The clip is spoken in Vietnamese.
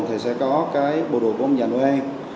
bộ đồ của ông già noel